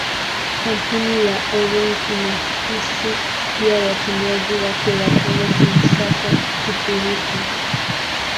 Kampuni ya Orange inaruhusu pia watumiaji wake wa Kongo-Kinshasa kushiriki.